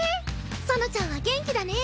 そのちゃんは元気だね。